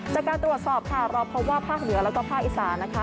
จากการตรวจสอบค่ะเราพบว่าภาคเหนือแล้วก็ภาคอีสานนะคะ